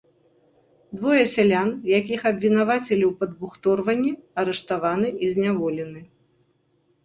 Двое сялян, якіх абвінавацілі ў падбухторванні, арыштаваны і зняволены.